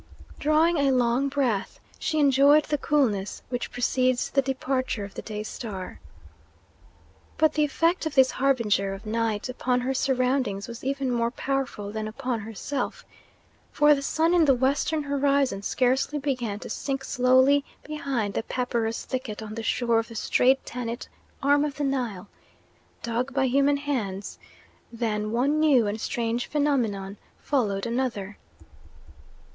Drawing a long breath, she enjoyed the coolness which precedes the departure of the daystar. But the effect of this harbinger of night upon her surroundings was even more powerful than upon herself, for the sun in the western horizon scarcely began to sink slowly behind the papyrus thicket on the shore of the straight Tanite arm of the Nile, dug by human hands, than one new and strange phenomenon followed another.